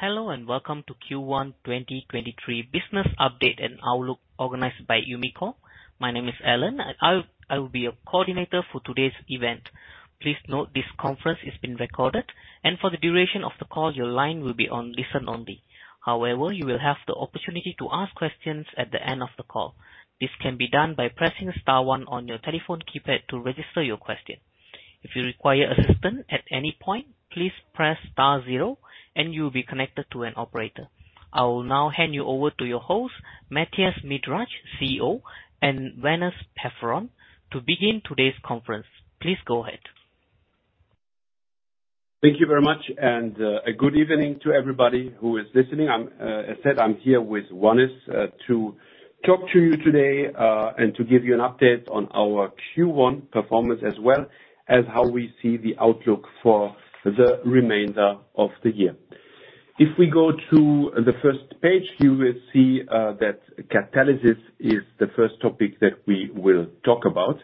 Hello, welcome to Q1 2023 business update and outlook organized by Umicore. My name is Alan. I will be your coordinator for today's event. Please note this conference is being recorded, and for the duration of the call, your line will be on listen only. However, you will have the opportunity to ask questions at the end of the call. This can be done by pressing star one on your telephone keypad to register your question. If you require assistance at any point, please press star zero and you will be connected to an operator. I will now hand you over to your host, Mathias Miedreich, CEO, and Wannes Peferoen to begin today's conference. Please go ahead. Thank you very much, and a good evening to everybody who is listening. I'm, as said, I'm here with Wannes, to talk to you today, and to give you an update on our Q1 performance as well as how we see the outlook for the remainder of the year. If we go to the first page, you will see that catalysis is the first topic that we will talk about.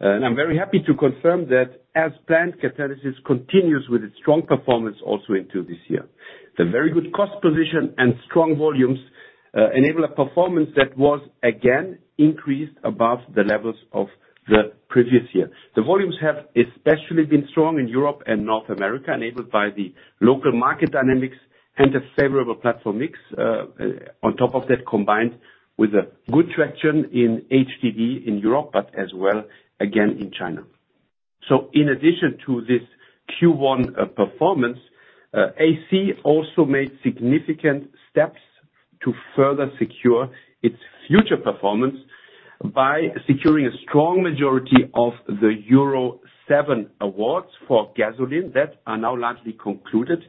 I'm very happy to confirm that as planned, catalysis continues with its strong performance also into this year. The very good cost position and strong volumes enable a performance that was again increased above the levels of the previous year. The volumes have especially been strong in Europe and North America, enabled by the local market dynamics and a favorable platform mix, on top of that, combined with a good traction in HDD in Europe, but as well again in China. In addition to this Q1 performance, AC also made significant steps to further secure its future performance by securing a strong majority of the Euro 7 awards for gasoline that are now largely concluded,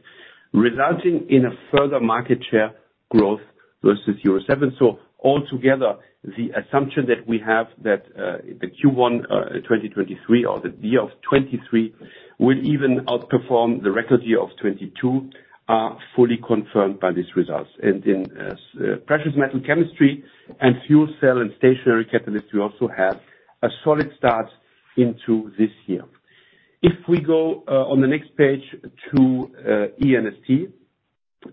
resulting in a further market share growth versus Euro 7. Altogether, the assumption that we have that the Q1 2023 or the year of 2023 will even outperform the record year of 2022 are fully confirmed by these results. In Precious Metals Chemistry and Fuel Cell & Stationary Catalysts, we also have a solid start into this year. If we go on the next page to E&ST,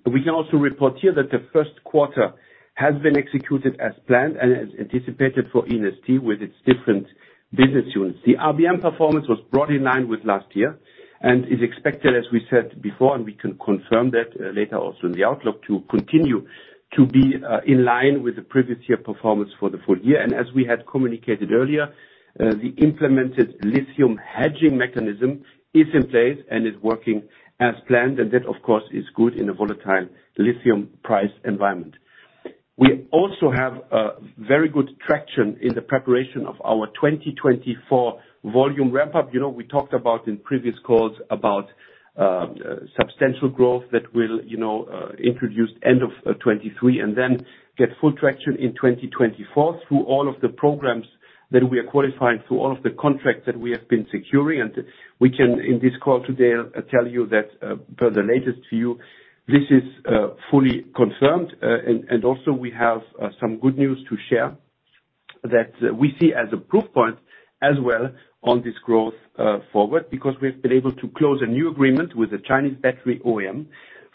we can also report here that the first quarter has been executed as planned and as anticipated for E&ST with its different business units. The RBM performance was broadly in line with last year and is expected, as we said before, and we can confirm that later also in the outlook, to continue to be in line with the previous year performance for the full year. As we had communicated earlier, the implemented lithium hedging mechanism is in place and is working as planned. That, of course, is good in a volatile lithium price environment. We also have very good traction in the preparation of our 2024 volume ramp up. You know, we talked about in previous calls about substantial growth that will, you know, introduce end of 2023 and then get full traction in 2024 through all of the programs that we are qualifying, through all of the contracts that we have been securing. We can in this call today tell you that per the latest view, this is fully confirmed. And also we have some good news to share that we see as a proof point as well on this growth forward because we've been able to close a new agreement with the Chinese battery OEM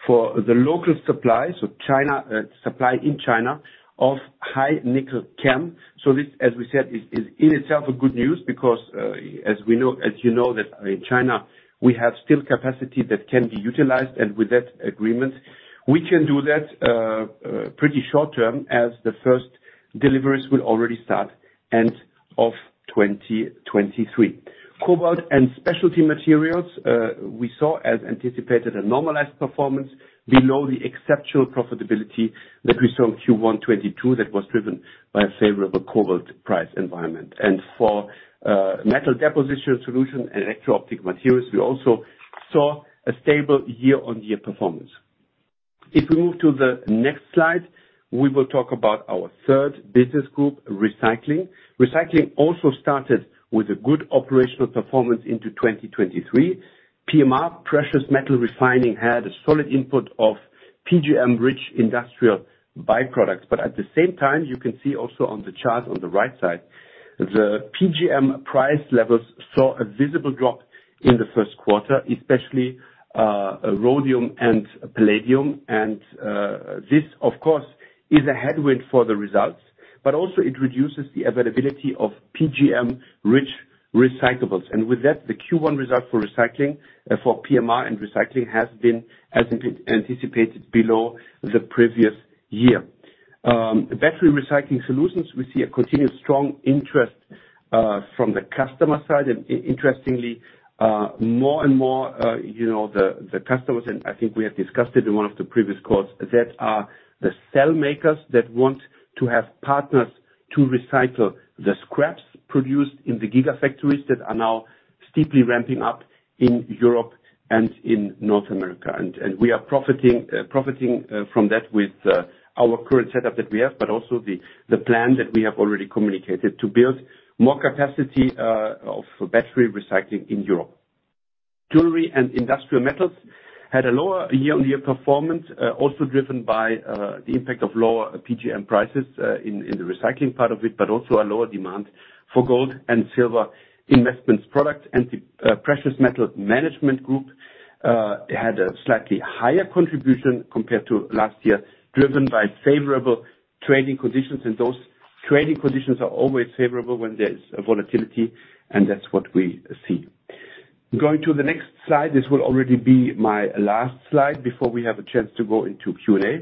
for the local supply, so China, supply in China of high-nickel CAM. This, as we said, is in itself a good news because, as we know, as you know that in China we have still capacity that can be utilized. With that agreement we can do that pretty short-term as the first deliveries will already start end of 2023. Cobalt & Specialty Materials, we saw as anticipated, a normalized performance below the exceptional profitability that we saw in Q1 2022 that was driven by a favorable cobalt price environment. For Metal Deposition Solutions and Electro-Optic Materials, we also saw a stable year-on-year performance. If we move to the next slide, we will talk about our third business group, Recycling. Recycling also started with a good operational performance into 2023. PMR, Precious Metals Refining, had a solid input of PGM-rich industrial by-products. At the same time, you can see also on the chart on the right side, the PGM price levels saw a visible drop in the first quarter, especially rhodium and palladium. This of course is a headwind for the results, but also it reduces the availability of PGM-rich recyclables. With that, the Q1 result for Recycling, for PMR and Recycling has been as anticipated below the previous year. Battery Recycling Solutions, we see a continued strong interest from the customer side. Interestingly, more and more, you know, the customers, and I think we have discussed it in one of the previous calls, that are the cell makers that want to have partners to recycle the scraps produced in the gigafactories that are now steeply ramping up in Europe and in North America. We are profiting from that with our current setup that we have, but also the plan that we have already communicated to build more capacity of battery recycling in Europe. Jewelry & Industrial Metals had a lower year-on-year performance, also driven by the impact of lower PGM prices in the recycling part of it, but also a lower demand for gold and silver investments products. The Precious Metals Management group had a slightly higher contribution compared to last year, driven by favorable trading conditions. Those trading conditions are always favorable when there's a volatility, and that's what we see. Going to the next slide. This will already be my last slide before we have a chance to go into Q&A.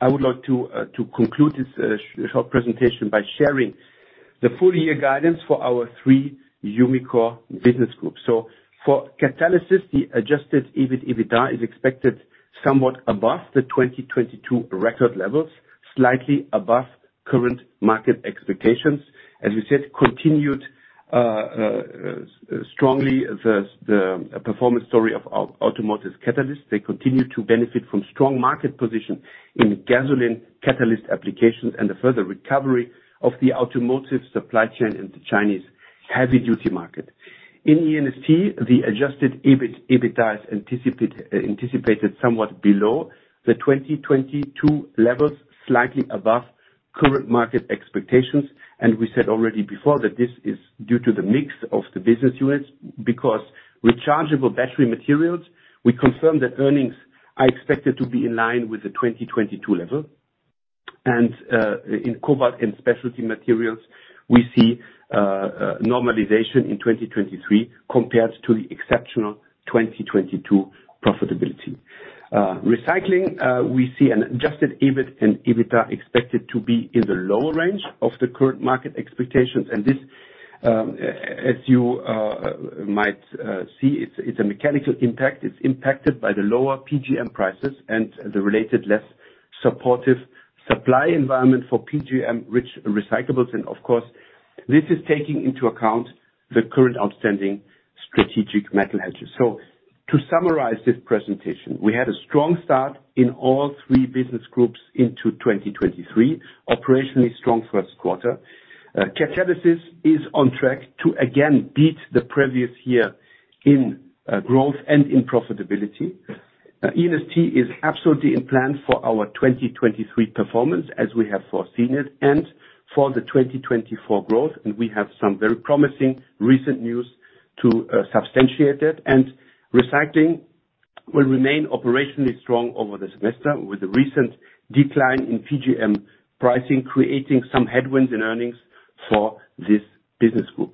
I would like to conclude this short presentation by sharing the full year guidance for our three Umicore business groups. For catalysis, the Adjusted EBIT, EBITDA is expected somewhat above the 2022 record levels, slightly above current market expectations. As we said, continued strongly the performance story of automotive catalyst. They continue to benefit from strong market position in gasoline catalyst applications and the further recovery of the automotive supply chain in the Chinese heavy-duty market. In E&ST, the Adjusted EBIT, EBITDA is anticipated somewhat below the 2022 levels, slightly above current market expectations. We said already before that this is due to the mix of the business units because Rechargeable Battery Materials, we confirm that earnings are expected to be in line with the 2022 level. In Cobalt & Specialty Materials, we see normalization in 2023 compared to the exceptional 2022 profitability. Recycling, we see an Adjusted EBIT and EBITDA expected to be in the lower range of the current market expectations, and this, as you might see, it's a mechanical impact. It's impacted by the lower PGM prices and the related less supportive supply environment for PGM-rich recyclables. Of course, this is taking into account the current outstanding strategic metal hedges. To summarize this presentation, we had a strong start in all three business groups into 2023. Operationally strong first quarter. Catalysis is on track to again beat the previous year in growth and in profitability. E&ST is absolutely in plan for our 2023 performance as we have foreseen it, and for the 2024 growth, and we have some very promising recent news to substantiate it. Recycling will remain operationally strong over the semester with the recent decline in PGM pricing, creating some headwinds in earnings for this business group.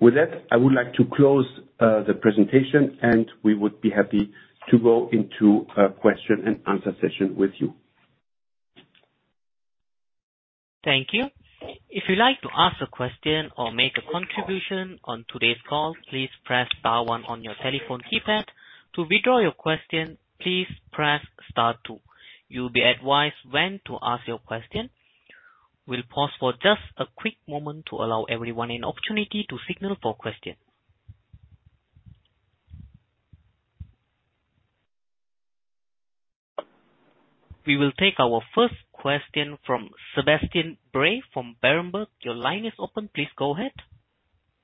With that, I would like to close the presentation, and we would be happy to go into a question and answer session with you. Thank you. If you'd like to ask a question or make a contribution on today's call, please press star one on your telephone keypad. To withdraw your question, please press star two. You'll be advised when to ask your question. We'll pause for just a quick moment to allow everyone an opportunity to signal for questions. We will take our first question from Sebastian Bray from Berenberg. Your line is open. Please go ahead.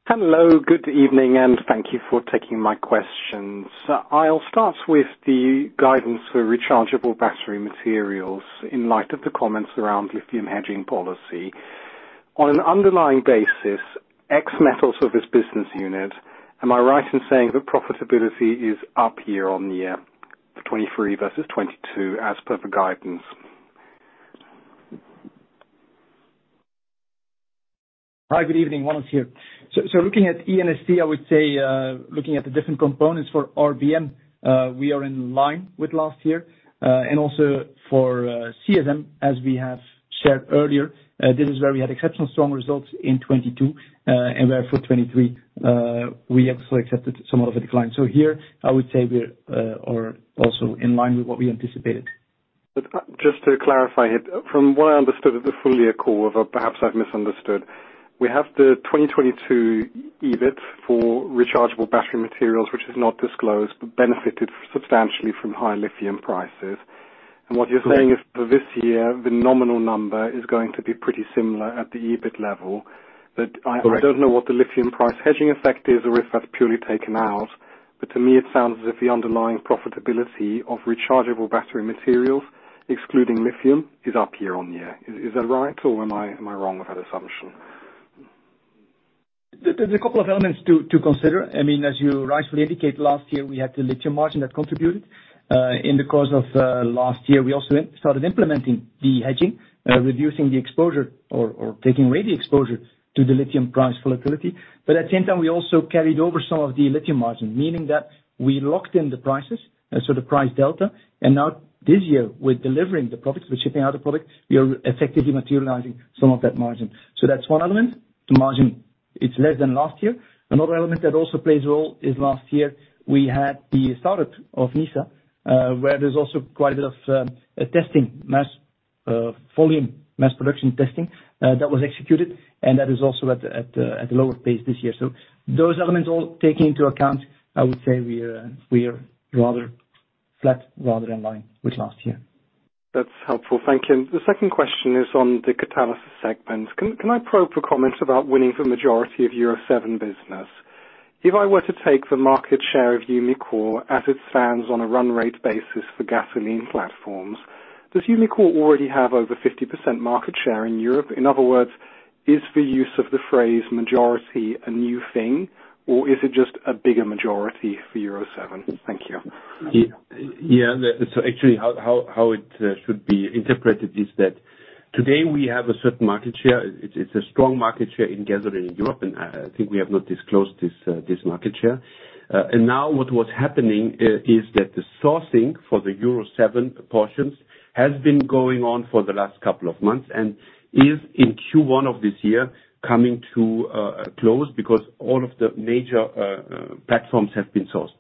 Hello, good evening, thank you for taking my questions. I'll start with the guidance for Rechargeable Battery Materials in light of the comments around lithium hedging policy. On an underlying basis, X metal service business unit, am I right in saying that profitability is up year-on-year for 2023 versus 2022 as per the guidance? Hi, good evening. Wannes here. Looking at E&ST, I would say, looking at the different components for RBM, we are in line with last year, and also for CSM, as we have shared earlier, this is where we had exceptional strong results in 2022, and therefore 2023, we absolutely accepted some of the decline. Here, I would say we are also in line with what we anticipated. Just to clarify it, from what I understood at the full year call, though perhaps I've misunderstood, we have the 2022 EBIT for Rechargeable Battery Materials which is not disclosed, but benefited substantially from high lithium prices. What you're saying is for this year, the nominal number is going to be pretty similar at the EBIT level. Correct. I don't know what the lithium price hedging effect is, or if that's purely taken out, but to me, it sounds as if the underlying profitability of rechargeable battery materials, excluding lithium, is up year-on-year. Is that right, or am I wrong with that assumption? There's a couple of elements to consider. I mean, as you rightfully indicate, last year we had the lithium margin that contributed. In the course of last year, we also started implementing de-hedging, reducing the exposure or taking away the exposure to the lithium price volatility. At the same time, we also carried over some of the lithium margin, meaning that we locked in the prices, so the price delta. Now this year, we're delivering the products, we're shipping out the product, we are effectively materializing some of that margin. That's one element. The margin, it's less than last year. Another element that also plays a role is last year we had the start of Nysa, where there's also quite a bit of, testing mass, volume, mass production testing, that was executed, and that is also at lower pace this year. Those elements all take into account, I would say we're rather flat rather than line with last year. That's helpful. Thank you. The second question is on the catalysis segment. Can I probe for comments about winning the majority of Euro 7 business? If I were to take the market share of Umicore as it stands on a run rate basis for gasoline platforms, does Umicore already have over 50% market share in Europe? In other words, is the use of the phrase majority a new thing, or is it just a bigger majority for Euro 7? Thank you. Yeah. Actually how it should be interpreted is that today we have a certain market share. It's a strong market share in gathering in Europe, and I think we have not disclosed this market share. Now what was happening is that the sourcing for the Euro 7 portions has been going on for the last couple of months and is in Q1 of this year coming to close because all of the major platforms have been sourced.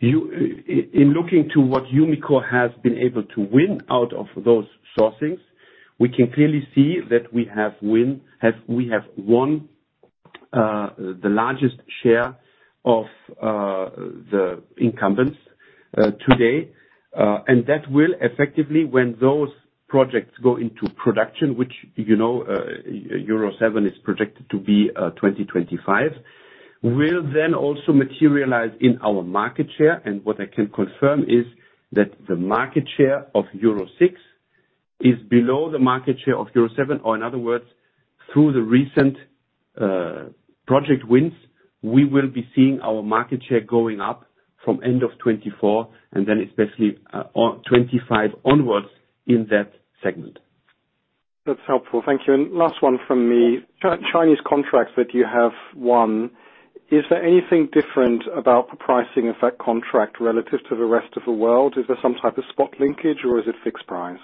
In looking to what Umicore has been able to win out of those sourcings, we can clearly see that we have won the largest share of the incumbents today. That will effectively, when those projects go into production, which, you know, Euro 7 is projected to be 2025, will then also materialize in our market share. What I can confirm is that the market share of Euro 6 is below the market share of Euro 7. In other words, through the recent project wins, we will be seeing our market share going up from end of 2024, and then especially, on 2025 onwards in that segment. That's helpful. Thank you. Last one from me. Chinese contracts that you have won, is there anything different about the pricing of that contract relative to the rest of the world? Is there some type of spot linkage, or is it fixed price?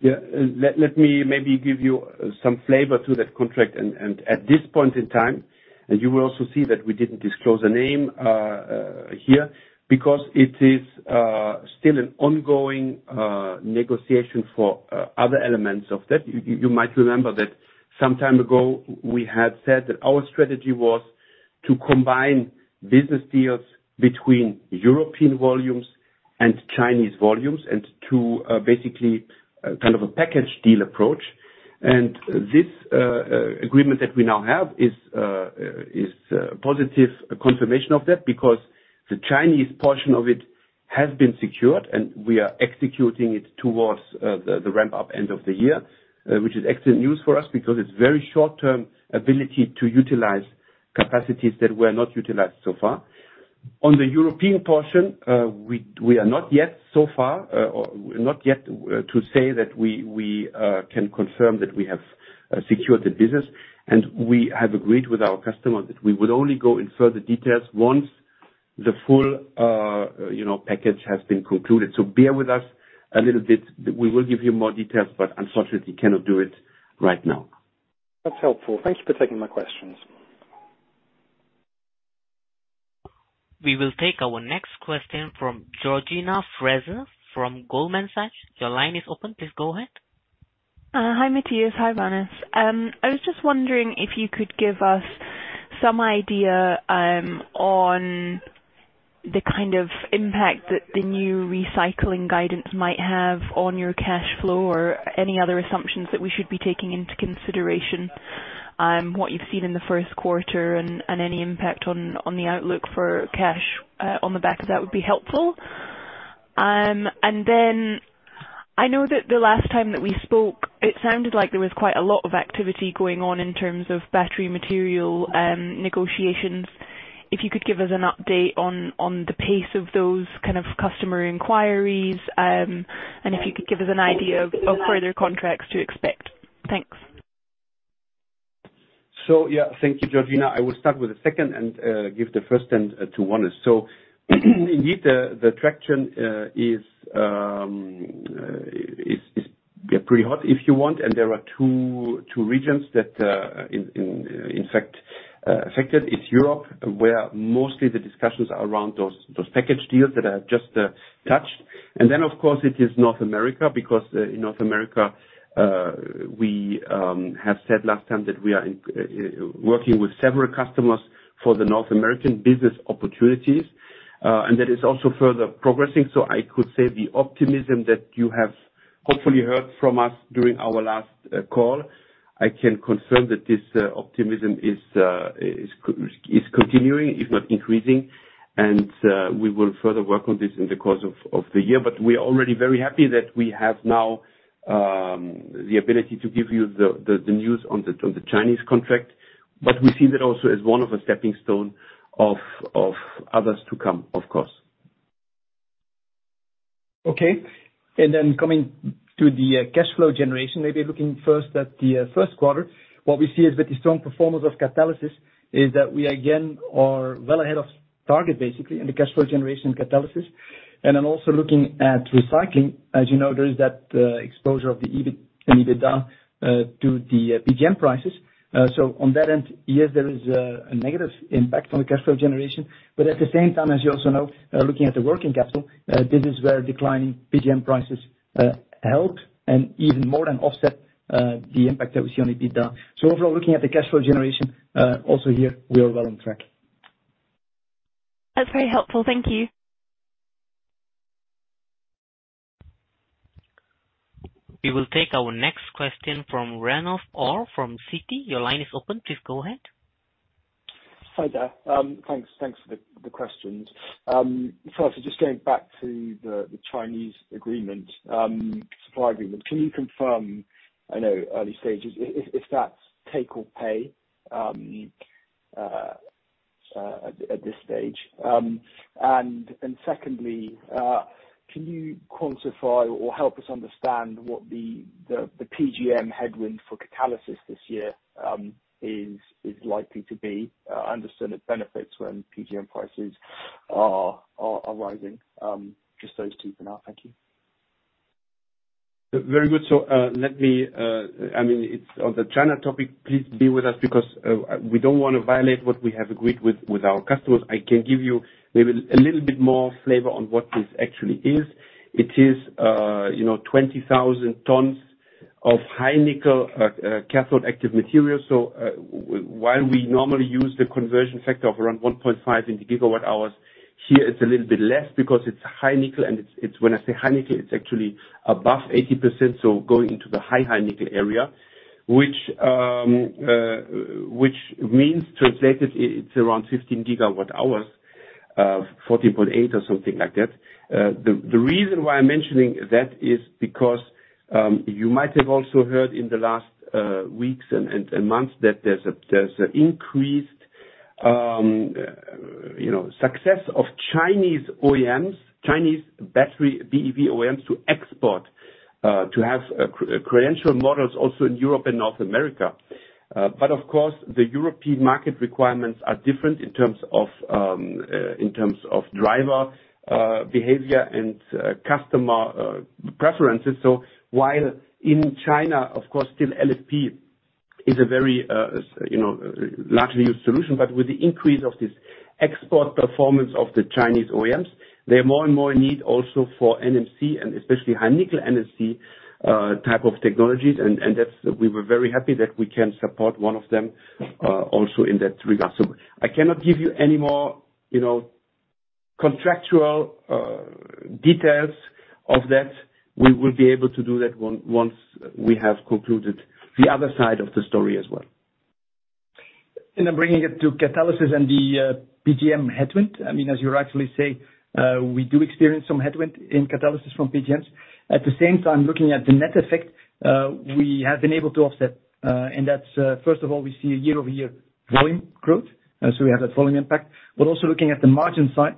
Yeah. Let me maybe give you some flavor to that contract. At this point in time, and you will also see that we didn't disclose a name here, because it is still an ongoing negotiation for other elements of that. You might remember that some time ago we had said that our strategy was to combine business deals between European volumes and Chinese volumes and to basically kind of a package deal approach. This agreement that we now have is a positive confirmation of that because the Chinese portion of it has been secured, and we are executing it towards the ramp up end of the year. Which is excellent news for us because it's very short term ability to utilize capacities that were not utilized so far. On the European portion, we are not yet so far, or not yet to say that we can confirm that we have secured the business. We have agreed with our customer that we would only go in further details once the full, you know, package has been concluded. Bear with us a little bit. We will give you more details, but unfortunately cannot do it right now. That's helpful. Thank you for taking my questions. We will take our next question from Georgina Fraser from Goldman Sachs. Your line is open. Please go ahead. Hi, Mathias. Hi, Wannes. I was just wondering if you could give us some idea on the kind of impact that the new Recycling guidance might have on your cash flow or any other assumptions that we should be taking into consideration on what you've seen in the first quarter and any impact on the outlook for cash on the back of that would be helpful. I know that the last time that we spoke, it sounded like there was quite a lot of activity going on in terms of battery material negotiations. If you could give us an update on the pace of those kind of customer inquiries, and if you could give us an idea of further contracts to expect. Thanks. Yeah. Thank you, Georgina. I will start with the second and give the first then to Wannes. Indeed, the traction is pretty hot, if you want. There are two regions that in fact affected. It's Europe, where mostly the discussions are around those package deals that I have just touched. Of course, it is North America, because in North America, we have said last time that we are working with several customers for the North American business opportunities. That is also further progressing. I could say the optimism that you have hopefully heard from us during our last call, I can confirm that this optimism is continuing, if not increasing. We will further work on this in the course of the year. We are already very happy that we have now, the ability to give you the news on the Chinese contract. We see that also as one of a stepping stone of others to come, of course. Okay. Coming to the cash flow generation, maybe looking first at the first quarter, what we see is that the strong performance of Catalysis is that we again are well ahead of target, basically, in the cash flow generation Catalysis. Also looking at Recycling. As you know, there is that exposure of the EBIT and EBITDA to the PGM prices. On that end, yes, there is a negative impact on the cash flow generation. As you also know, looking at the working capital, this is where declining PGM prices help and even more than offset the impact that we see on EBITDA. Overall, looking at the cash flow generation, also here we are well on track. That's very helpful. Thank you. We will take our next question from Ranulf Orr from Citi. Your line is open. Please go ahead. Hi there. Thanks for the questions. First just going back to the Chinese agreement, supply agreement. Can you confirm, I know early stages if that's take or pay at this stage? Secondly, can you quantify or help us understand what the PGM headwind for Catalysis this year is likely to be? I understand it benefits when PGM prices are rising. Just those two for now. Thank you. Very good. Let me, I mean it's on the China topic, please bear with us because we don't wanna violate what we have agreed with our customers. I can give you maybe a little bit more flavor on what this actually is. It is, you know, 20,000 tons of high-nickel cathode active materials. While we normally use the conversion factor of around 1.5 into gigawatt hours, here it's a little bit less because it's high nickel and it's when I say high nickel, it's actually above 80%, so going into the high nickel area, which means translated it's around 15 GW hours, 14.8 GW or something like that. The reason why I'm mentioning that is because you might have also heard in the last weeks and months that there's an increased, you know, success of Chinese OEMs, Chinese battery BEV OEMs to export to have credential models also in Europe and North America. Of course, the European market requirements are different in terms of driver behavior and customer preferences. While in China, of course, still LFP is a very, you know, largely used solution, but with the increase of this export performance of the Chinese OEMs, they more and more need also for NMC and especially high nickel NMC type of technologies. That's we were very happy that we can support one of them also in that regard. I cannot give you any more, you know, contractual details of that. We will be able to do that one once we have concluded the other side of the story as well. Bringing it to Catalysis and the PGM headwind. As you rightly say, we do experience some headwind in Catalysis from PGMs. At the same time, looking at the net effect, we have been able to offset, and that's, first of all, we see a year-over-year volume growth, so we have that volume impact. Looking at the margin side,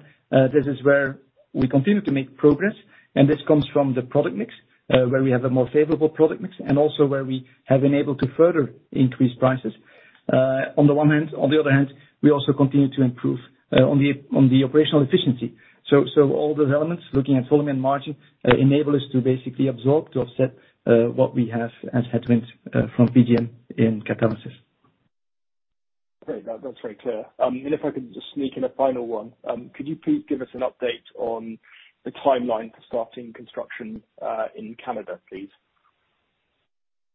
this is where we continue to make progress, and this comes from the product mix, where we have a more favorable product mix and also where we have been able to further increase prices, on the one hand. We also continue to improve on the operational efficiency. All those elements, looking at volume and margin, enable us to basically absorb, to offset, what we have as headwind, from PGM in Catalysis. Great. That's very clear. If I could just sneak in a final one. Could you please give us an update on the timeline for starting construction in Canada, please?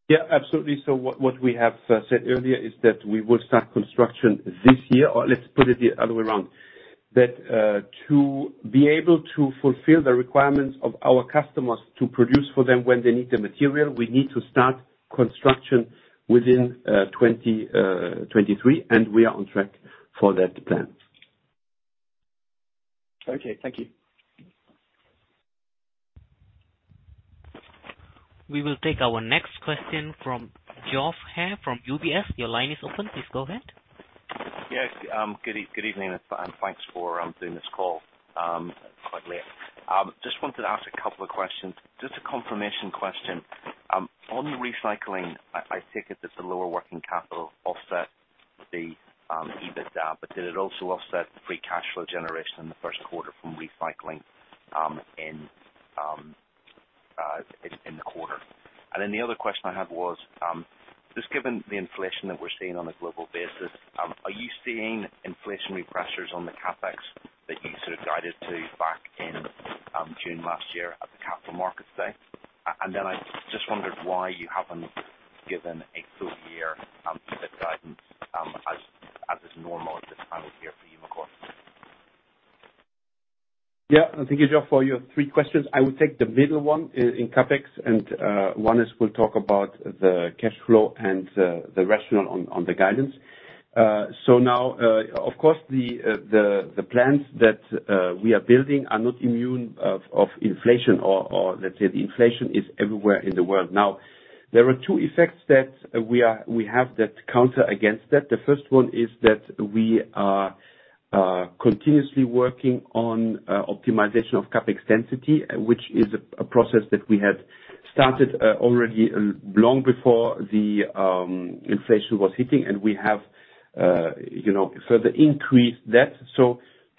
Yeah, absolutely. What we have said earlier is that we will start construction this year, or let's put it the other way around. That, to be able to fulfill the requirements of our customers to produce for them when they need the material, we need to start construction within 2023. We are on track for that plan. Okay, thank you. We will take our next question from Geoff Haire from UBS. Your line is open. Please go ahead. Yes. Good evening and thanks for doing this call quite late. Just wanted to ask a couple of questions. Just a confirmation question. On the Recycling, I take it that the lower working capital offset the EBITDA, but did it also offset the free cash flow generation in the first quarter from Recycling in the quarter? The other question I had was, just given the inflation that we're seeing on a global basis, are you seeing inflationary pressures on the CapEx that you sort of guided to back in June last year at the Capital Markets Day? I just wondered why you haven't given a full year fit guidance as is normal at this time of year for Umicore. Thank you, Geoff, for your three questions. I will take the middle one in CapEx, and Wannes Peferoen will talk about the cash flow and the rationale on the guidance. Now, of course, the, the plans that we are building are not immune of inflation or let's say the inflation is everywhere in the world. Now, there are two effects that we have that counter against that. The first one is that we are continuously working on optimization of CapEx density, which is a process that we had started already long before the inflation was hitting. We have, you know, further increased that.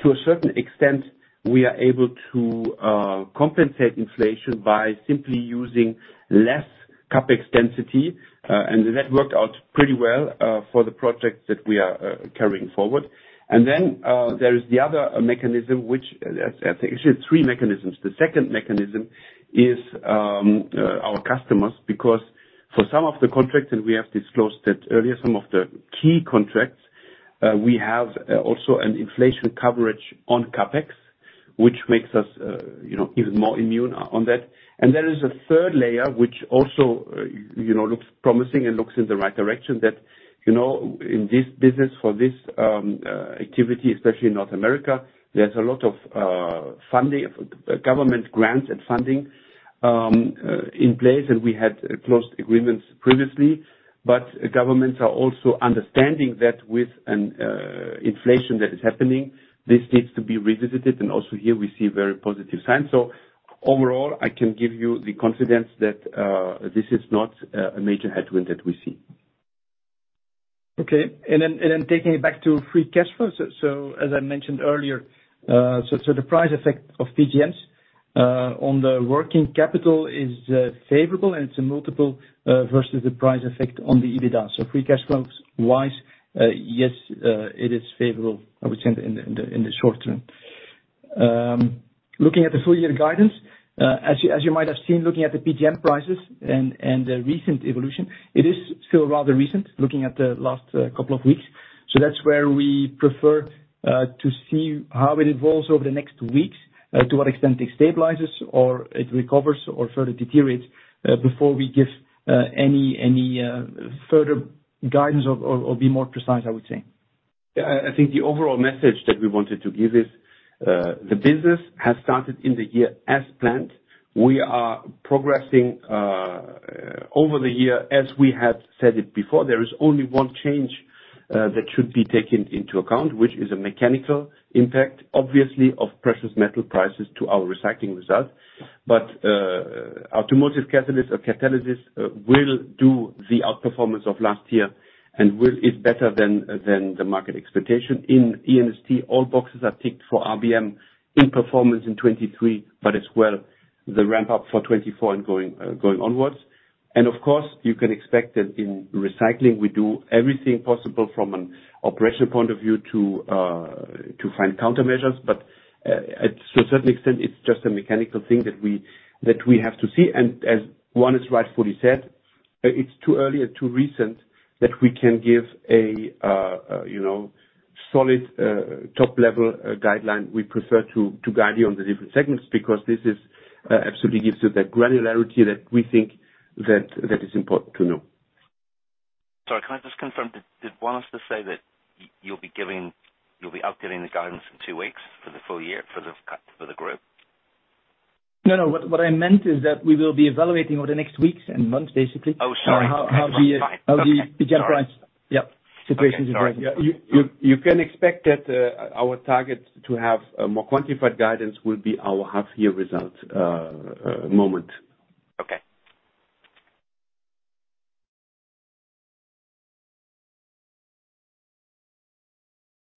To a certain extent, we are able to compensate inflation by simply using less CapEx density, and that worked out pretty well for the projects that we are carrying forward. There is the other mechanism. Actually three mechanisms. The second mechanism is our customers, because for some of the contracts, and we have disclosed it earlier, some of the key contracts, we have also an inflation coverage on CapEx. Which makes us, you know, even more immune on that. There is a third layer which also, you know, looks promising and looks in the right direction that, you know, in this business for this activity, especially in North America, there's a lot of government grants and funding in place, and we had closed agreements previously. Governments are also understanding that with an inflation that is happening, this needs to be revisited. Also here we see very positive signs. Overall, I can give you the confidence that this is not a major headwind that we see. Okay. Taking it back to free cash flows. As I mentioned earlier, the price effect of PGMs on the working capital is favorable, and it's a multiple versus the price effect on the EBITDA. Free cash flows-wise, yes, it is favorable, I would say, in the short term. Looking at the full year guidance, as you might have seen, looking at the PGM prices and the recent evolution, it is still rather recent, looking at the last couple of weeks. That's where we prefer to see how it evolves over the next weeks, to what extent it stabilizes or it recovers or further deteriorates, before we give any further guidance or be more precise, I would say. Yeah. I think the overall message that we wanted to give is the business has started in the year as planned. We are progressing over the year. As we have said it before, there is only one change that should be taken into account, which is a mechanical impact, obviously, of precious metal prices to our Recycling results. Our automotive catalyst will do the outperformance of last year and is better than the market expectation. In E&ST, all boxes are ticked for RBM in performance in 2023, but as well, the ramp up for 2024 and going onwards. Of course, you can expect that in Recycling, we do everything possible from an operational point of view to find countermeasures. At a certain extent, it's just a mechanical thing that we have to see. As Wannes has rightfully said, it's too early and too recent that we can give a, you know, solid, top-level guideline. We prefer to guide you on the different segments because this absolutely gives you the granularity that we think is important to know. Sorry, can I just confirm, did Wannes just say that you'll be updating the guidance in two weeks for the full year for the group? No. What I meant is that we will be evaluating over the next weeks and months, basically. Oh, sorry. How the PGM price- Sorry. Yeah. Situation is developing. You can expect that our target to have a more quantified guidance will be our half year results moment. Okay.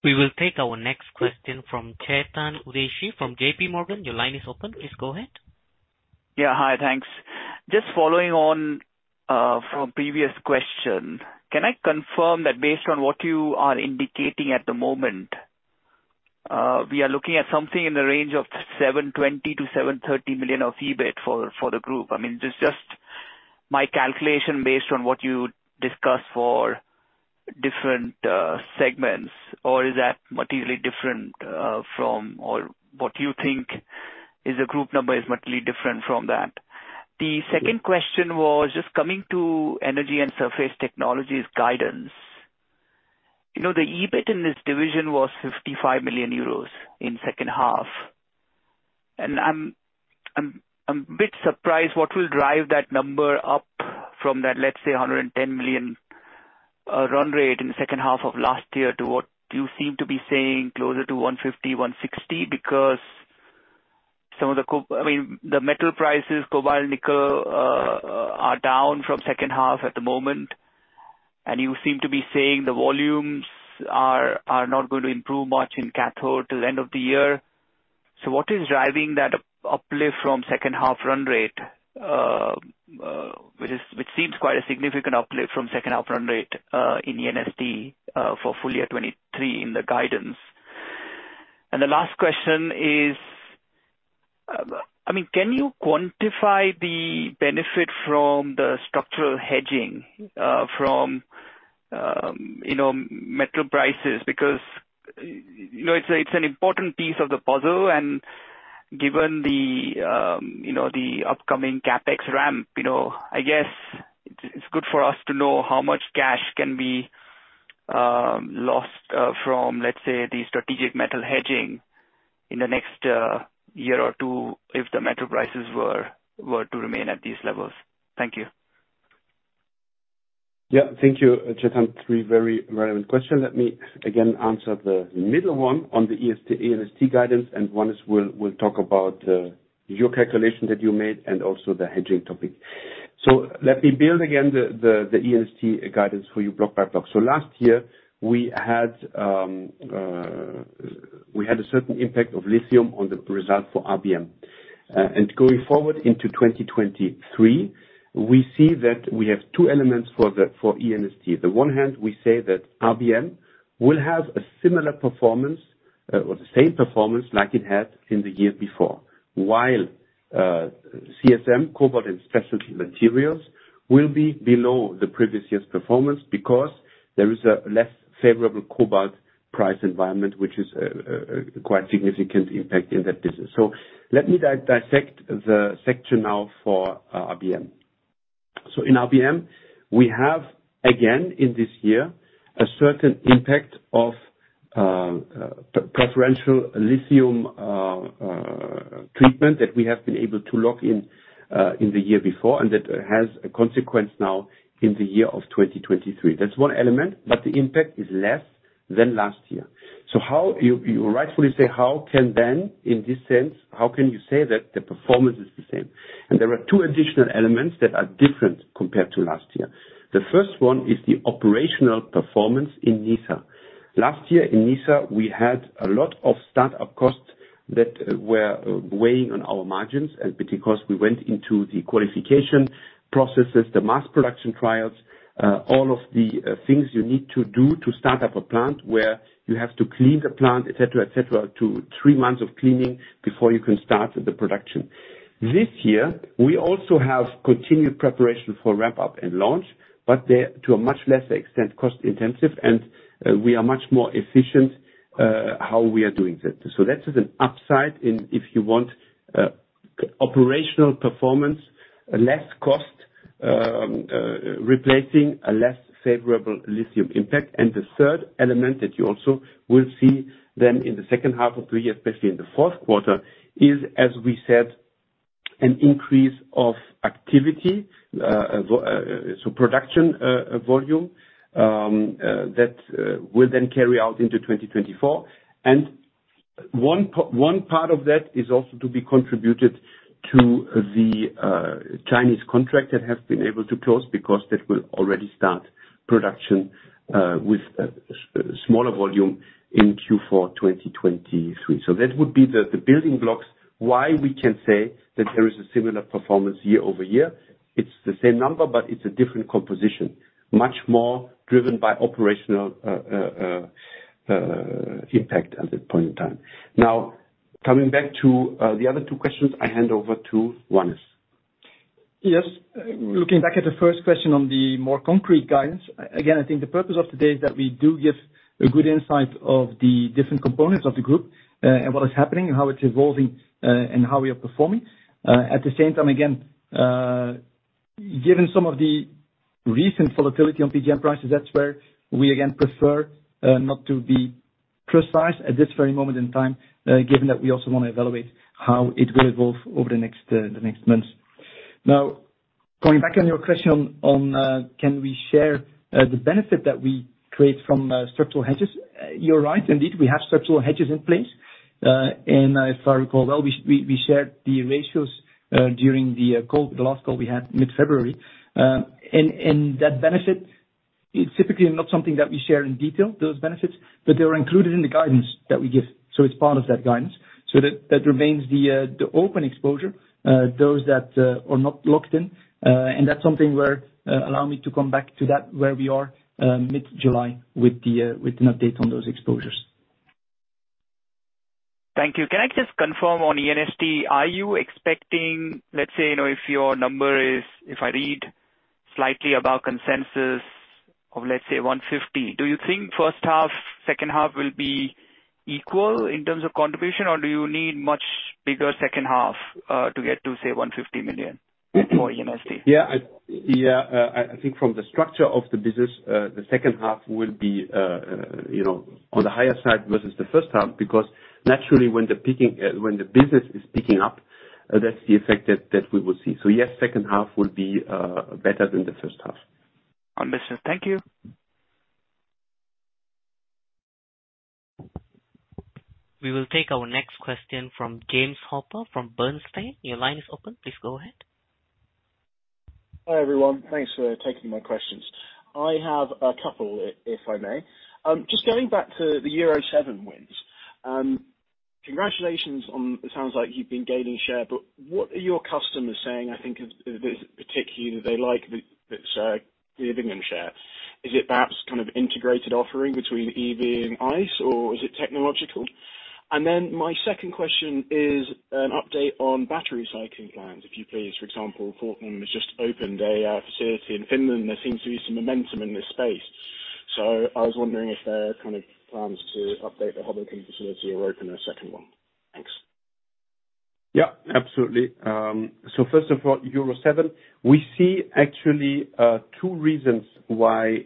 We will take our next question from Chetan Udeshi from J.P. Morgan. Your line is open. Please go ahead. Yeah. Hi. Thanks. Just following on from previous question. Can I confirm that based on what you are indicating at the moment, we are looking at something in the range of 720 million-730 million of EBIT for the group. I mean, this is just my calculation based on what you discussed for different segments. Or is that materially different? Or what you think is the group number is materially different from that? The second question was just coming to Energy & Surface Technologies guidance. You know, the EBIT in this division was 55 million euros in second half, and I'm a bit surprised what will drive that number up from that, let's say, 110 million run rate in the second half of last year to what you seem to be saying closer to 150 million, 160 million. Because some of the I mean, the metal prices, cobalt, nickel, are down from second half at the moment, and you seem to be saying the volumes are not going to improve much in cathode till the end of the year. What is driving that uplift from second half run rate, which seems quite a significant uplift from second half run rate in E&ST for full year 2023 in the guidance? The last question is, I mean, can you quantify the benefit from the structural hedging, from, you know, metal prices? Because, you know, it's an important piece of the puzzle, and given the, you know, the upcoming CapEx ramp, you know, I guess it's good for us to know how much cash can be lost from, let's say, the strategic metal hedging in the next year or two if the metal prices were to remain at these levels. Thank you. Yeah. Thank you, Chetan. Three very relevant questions. Let me again answer the middle one on the E&ST guidance, Wannes will talk about your calculation that you made and also the hedging topic. Let me build again the E&ST guidance for you block by block. Last year we had a certain impact of lithium on the result for RBM. Going forward into 2023, we see that we have two elements for E&ST. The one hand we say that RBM will have a similar performance or the same performance like it had in the year before, while CSM, Cobalt & Specialty Materials, will be below the previous year's performance because there is a less favorable cobalt price environment, which is a quite significant impact in that business. Let me dissect the section now for RBM. In RBM, we have, again, in this year, a certain impact of preferential lithium treatment that we have been able to lock in in the year before, and that has a consequence now in the year of 2023. That's one element, but the impact is less than last year. You rightfully say, how can then, in this sense, how can you say that the performance is the same? There are two additional elements that are different compared to last year. The first one is the operational performance in Nysa. Last year in Nysa, we had a lot of start-up costs that were weighing on our margins because we went into the qualification processes, the mass production trials, all of the things you need to do to start up a plant where you have to clean the plant, et cetera, et cetera, to three months of cleaning before you can start the production. This year, we also have continued preparation for ramp-up and launch, but they're, to a much less extent, cost-intensive, and we are much more efficient how we are doing that. That is an upside in, if you want, operational performance, less cost, replacing a less favorable lithium impact. The third element that you also will see then in the second half of the year, especially in the fourth quarter, is, as we said, an increase of activity, so production volume that will then carry out into 2024. One part of that is also to be contributed to the Chinese contract that have been able to close because that will already start production with a smaller volume in Q4 2023. That would be the building blocks why we can say that there is a similar performance year-over-year. It's the same number, but it's a different composition, much more driven by operational impact at that point in time. Coming back to the other two questions, I hand over to Wannes. Yes. Looking back at the first question on the more concrete guidance, again, I think the purpose of today is that we do give a good insight of the different components of the group, and what is happening and how it's evolving, and how we are performing. At the same time, again, given some of the recent volatility on PGM prices, that's where we again prefer not to be precise at this very moment in time, given that we also wanna evaluate how it will evolve over the next months. Going back on your question on, can we share the benefit that we create from structural hedges? You're right. Indeed, we have structural hedges in place. As I recall, well, we shared the ratios during the call, the last call we had mid-February. That benefit is typically not something that we share in detail, those benefits, but they are included in the guidance that we give. It's part of that guidance. That remains the open exposure, those that are not locked in. That's something where allow me to come back to that where we are mid-July with the with an update on those exposures. Thank you. Can I just confirm on E&ST, are you expecting, let's say, you know, if I read slightly above consensus of, let's say, 150, do you think first half, second half will be equal in terms of contribution, or do you need much bigger second half to get to, say, 150 million for E&ST? Yeah. I think from the structure of the business, the second half will be, you know, on the higher side versus the first half, because naturally when the peaking, when the business is peaking up, that's the effect that we would see. Yes, second half will be better than the first half. Understood. Thank you. We will take our next question from James Hooper from Bernstein. Your line is open. Please go ahead. Hi, everyone. Thanks for taking my questions. I have a couple, if I may. Just going back to the Euro 7 wins, congratulations on It sounds like you've been gaining share, but what are your customers saying I think is particularly that they like the Umicore share? Is it perhaps kind of integrated offering between EV and ICE, or is it technological? And then my second question is an update on battery cycling plans, if you please. For example, Fortum has just opened a facility in Finland. There seems to be some momentum in this space. I was wondering if there are kind of plans to update the Hoboken facility or open a second one. Thanks. Yeah, absolutely. First of all, Euro 7, we see actually two reasons why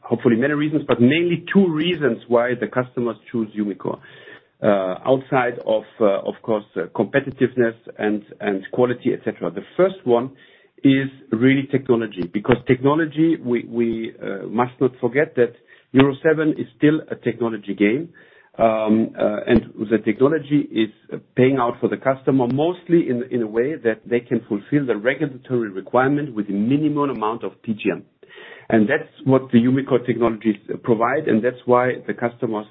hopefully many reasons, but mainly two reasons why the customers choose Umicore outside of course, competitiveness and quality, et cetera. The first one is really technology, because technology, we must not forget that Euro 7 is still a technology game, and the technology is paying out for the customer mostly in a way that they can fulfill the regulatory requirement with a minimal amount of PGM. That's what the Umicore technologies provide, and that's why the customers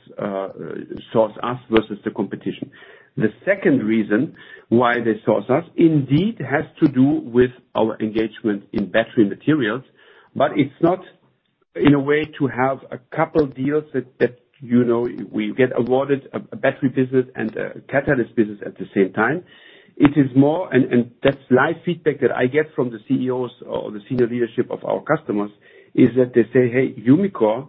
source us versus the competition. The second reason why they source us indeed has to do with our engagement in battery materials, but it's not in a way to have a couple deals that, you know, we get awarded a battery business and a catalyst business at the same time. It is more. That's live feedback that I get from the CEOs or the senior leadership of our customers, is that they say, "Hey, Umicore,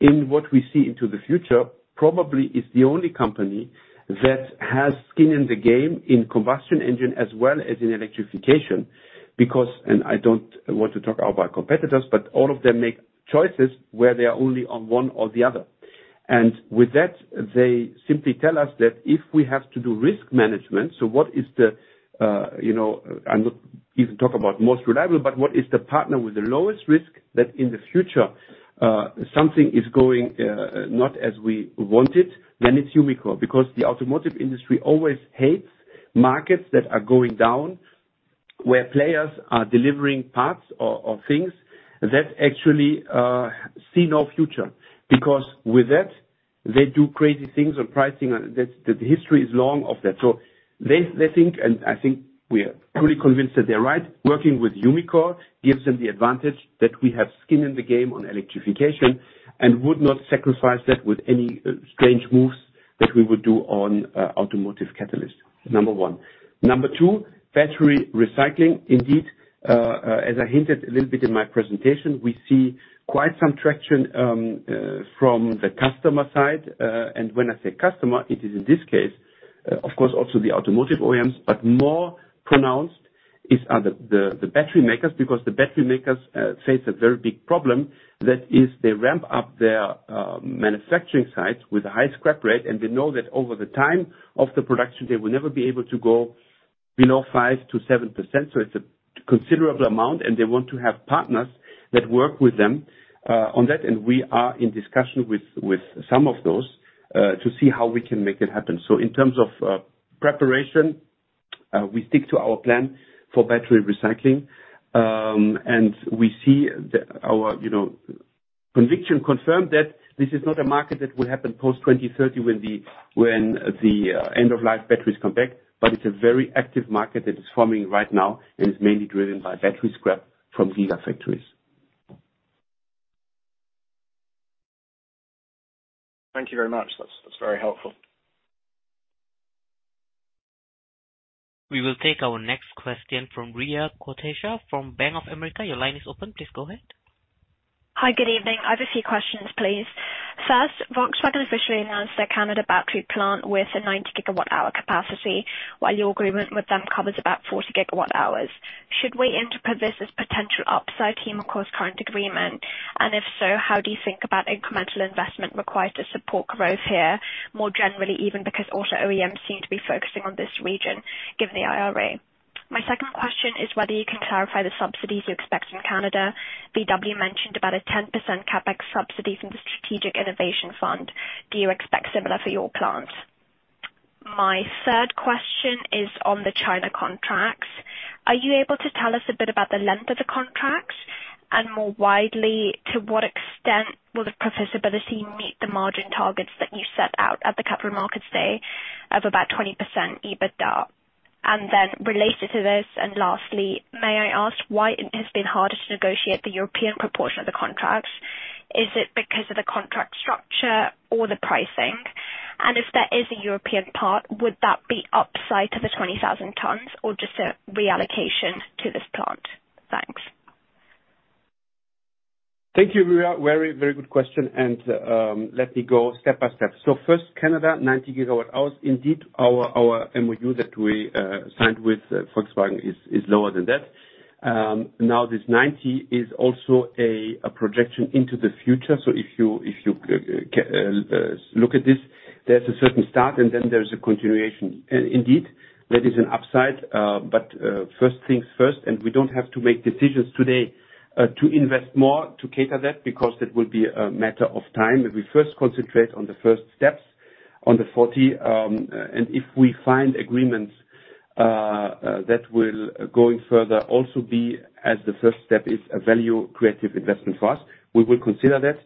in what we see into the future, probably is the only company that has skin in the game in combustion engine as well as in electrification." Because I don't want to talk about competitors, but all of them make choices where they are only on one or the other. With that, they simply tell us that if we have to do risk management, what is the, you know, I'm not even talk about most reliable, but what is the partner with the lowest risk that in the future, something is going not as we want it, then it's Umicore. The automotive industry always hates markets that are going down, where players are delivering parts or things that actually see no future. With that, they do crazy things on pricing. The history is long of that. They think, and I think we are fully convinced that they're right, working with Umicore gives them the advantage that we have skin in the game on electrification and would not sacrifice that with any strange moves that we would do on automotive catalyst, number one. Number two, Battery Recycling. Indeed, as I hinted a little bit in my presentation, we see quite some traction from the customer side. When I say customer, it is in this case, of course, also the automotive OEMs, but more pronounced are the battery makers, because the battery makers face a very big problem. That is, they ramp up their manufacturing sites with a high scrap rate, and they know that over the time of the production, they will never be able to go below 5%-7%. It's a considerable amount, and they want to have partners that work with them on that. We are in discussion with some of those to see how we can make it happen. In terms of preparation, we stick to our plan for Battery Recycling. We see our, you know, conviction confirmed that this is not a market that will happen post-2030 when the, when the, end-of-life batteries come back, but it's a very active market that is forming right now and is mainly driven by battery scrap from gigafactories. Thank you very much. That's very helpful. We will take our next question from Riya Kotecha from Bank of America. Your line is open. Please go ahead. Hi. Good evening. I have a few questions, please. First, Volkswagen officially announced their Canada battery plant with a 90 GW hour capacity, while your agreement with them covers about 40 GW hours. Should we interpret this as potential upside to Umicore's current agreement? And if so, how do you think about incremental investment required to support growth here more generally, even because auto OEMs seem to be focusing on this region given the IRA? My second question is whether you can clarify the subsidies you expect from Canada. VW mentioned about a 10% CapEx subsidy from the Strategic Innovation Fund. Do you expect similar for your plants? My third question is on the China contracts. Are you able to tell us a bit about the length of the contracts? More widely, to what extent will the profitability meet the margin targets that you set out at the Capital Markets Day of about 20% EBITDA? Related to this, and lastly, may I ask why it has been harder to negotiate the European proportion of the contracts? Is it because of the contract structure or the pricing? If there is a European part, would that be upside to the 20,000 tons or just a reallocation to this plant? Thanks. Thank you, Riya. Very, very good question. Let me go step by step. First, Canada, 90 GW hours. Indeed, our MOU that we signed with Volkswagen is lower than that. Now this 90 is also a projection into the future. If you can look at this, there's a certain start, and then there's a continuation. Indeed, there is an upside. First things first, and we don't have to make decisions today, to invest more to cater that, because that will be a matter of time, as we first concentrate on the first steps on the 40. If we find agreements, that will, going further, also be, as the first step, is a value-creative investment for us, we will consider that.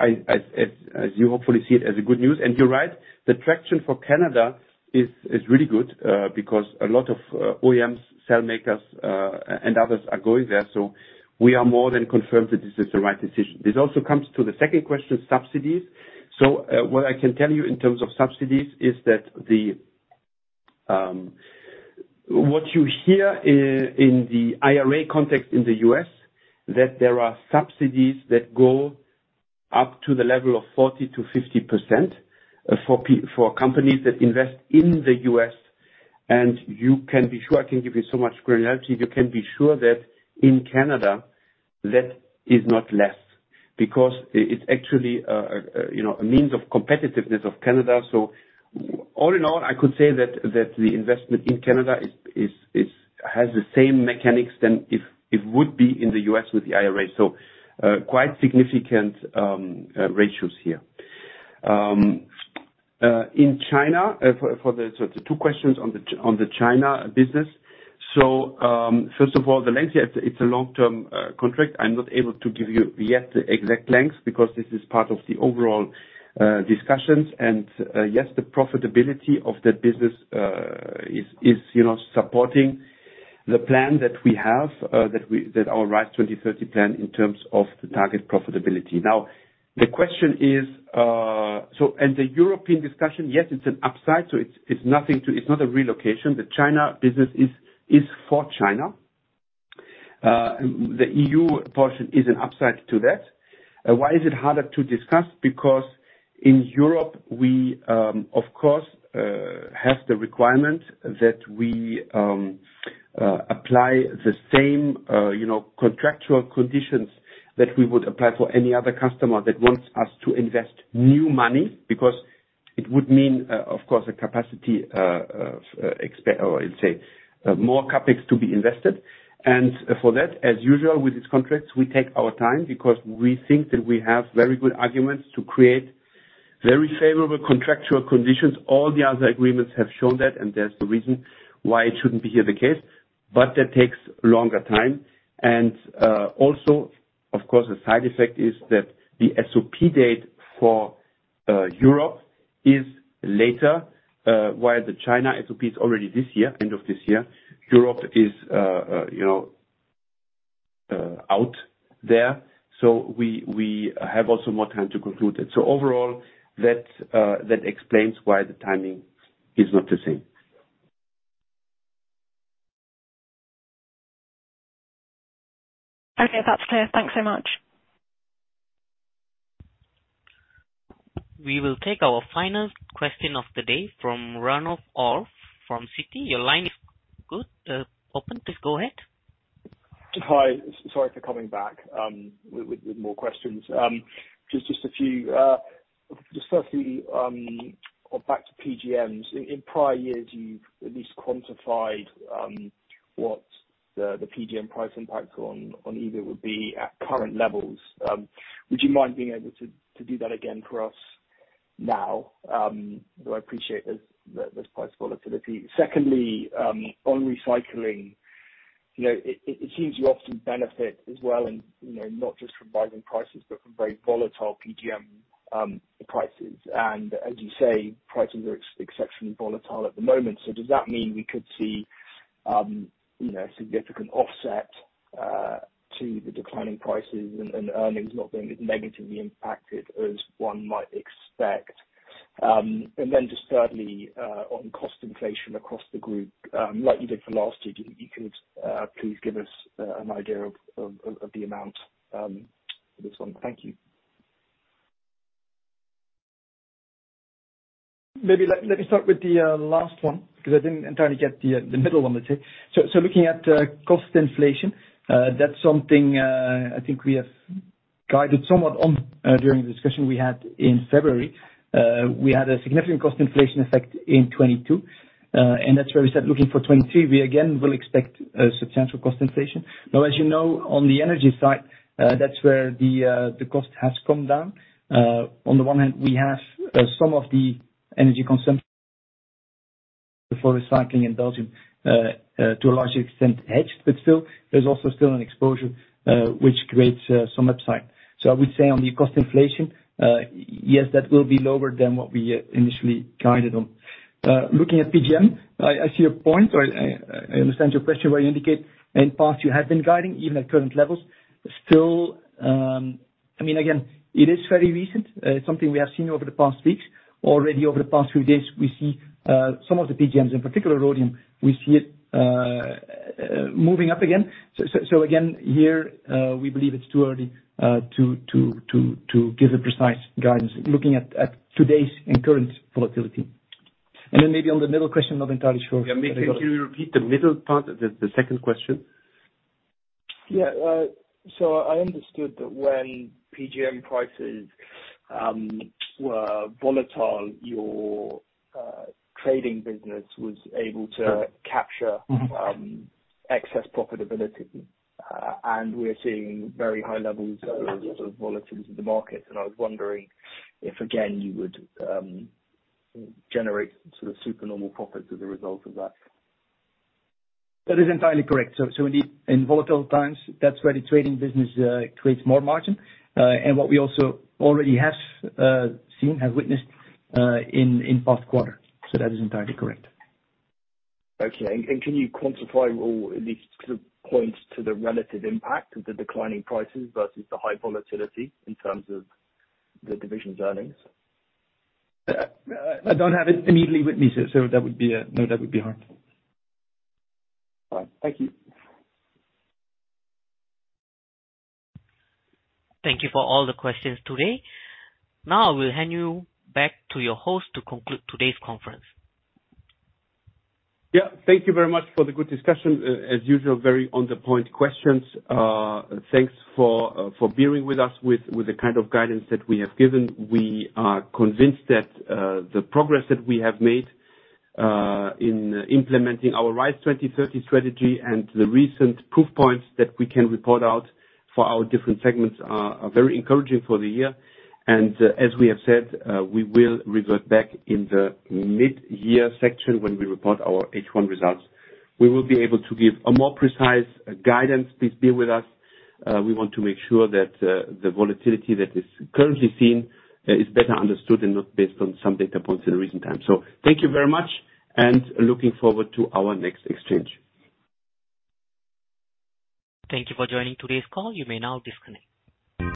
I, as you hopefully see it, as a good news. You're right, the traction for Canada is really good because a lot of OEMs, cell makers, and others are going there. We are more than confirmed that this is the right decision. This also comes to the second question, subsidies. What I can tell you in terms of subsidies is that what you hear in the IRA context in the U.S. that there are subsidies that go up to the level of 40%-50% for companies that invest in the U.S. You can be sure, I can give you so much granularity. You can be sure that in Canada, that is not less, because it's actually, you know, a means of competitiveness of Canada. All in all, I could say that the investment in Canada has the same mechanics than if it would be in the U.S. with the IRA. Quite significant ratios here. In China, the two questions on the China business. First of all, the length, yeah, it's a long-term contract. I'm not able to give you yet the exact lengths because this is part of the overall discussions. Yes, the profitability of that business is, you know, supporting the plan that we have, that our RISE 2030 plan in terms of the target profitability. Now, the question is the European discussion, yes, it's an upside, it's not a relocation. The China business is for China. The EU portion is an upside to that. Why is it harder to discuss? Because in Europe we, of course, have the requirement that we apply the same, you know, contractual conditions that we would apply for any other customer that wants us to invest new money because it would mean, of course a capacity or I'd say, more CapEx to be invested. For that, as usual with these contracts, we take our time because we think that we have very good arguments to create very favorable contractual conditions. All the other agreements have shown that, and there's no reason why it shouldn't be here the case, but that takes longer time. Also, of course, the side effect is that the SOP date for Europe is later, while the China SOP is already this year, end of this year. Europe is, you know, out there. We have also more time to conclude it. Overall that explains why the timing is not the same. Okay. That's clear. Thanks so much. We will take our final question of the day from Ranulf Orr from Citi. Your line is good, open. Please go ahead. Hi. Sorry for coming back with more questions. Just a few. Firstly, or back to PGMs. In prior years, you've at least quantified what the PGM price impact on EBIT would be at current levels. Would you mind being able to do that again for us now? Though I appreciate there's price volatility. Secondly, on Recycling, you know, it seems you often benefit as well and, you know, not just from rising prices, but from very volatile PGM prices. As you say, prices are exceptionally volatile at the moment. Does that mean we could see, you know, significant offset to the declining prices and earnings not being as negatively impacted as one might expect? Just thirdly, on cost inflation across the group, like you did for last year, could please give us an idea of the amount for this one? Thank you. Maybe let me start with the last one because I didn't entirely get the middle one, let's say. Looking at cost inflation, that's something I think we have guided somewhat on during the discussion we had in February. We had a significant cost inflation effect in 2022, and that's where we said looking for 2023, we again will expect a substantial cost inflation. Now, as you know, on the energy side, that's where the cost has come down. On the one hand we have some of the energy consumption for Recycling in Belgium to a large extent hedged, but still there's also still an exposure, which creates some upside. I would say on the cost inflation, yes, that will be lower than what we initially guided on. Looking at PGM, I see your point. I understand your question, where you indicate in past you have been guiding even at current levels. Still, I mean, again, it is very recent. It's something we have seen over the past weeks. Already over the past few days, we see some of the PGMs, in particular rhodium, we see it moving up again. Again, here, we believe it's too early to give a precise guidance looking at today's and current volatility. Maybe on the middle question, not entirely sure. Maybe can you repeat the middle part, the second question? Yeah. I understood that when PGM prices were volatile, your trading business was able to. Mm-hmm. capture, excess profitability. We're seeing very high levels of volatility in the market, and I was wondering if again you would generate sort of super normal profits as a result of that. That is entirely correct. Indeed, in volatile times, that's where the trading business creates more margin. And what we also already have seen, have witnessed in past quarters. That is entirely correct. Okay. And can you quantify or at least sort of point to the relative impact of the declining prices versus the high volatility in terms of the division's earnings? I don't have it immediately with me, so that would be, no, that would be hard. All right. Thank you. Thank you for all the questions today. Now I will hand you back to your host to conclude today's conference. Yeah. Thank you very much for the good discussion. As usual, very on the point questions. Thanks for bearing with us with the kind of guidance that we have given. We are convinced that the progress that we have made in implementing our RISE 2030 strategy and the recent proof points that we can report out for our different segments are very encouraging for the year. As we have said, we will revert back in the midyear section when we report our H1 results. We will be able to give a more precise guidance. Please bear with us. We want to make sure that the volatility that is currently seen is better understood and not based on some data points in recent times. Thank you very much and looking forward to our next exchange. Thank you for joining today's call. You may now disconnect.